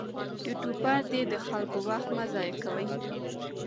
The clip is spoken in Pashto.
یوټوبر دې د خلکو وخت مه ضایع کوي.